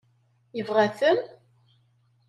Yebɣa-ten?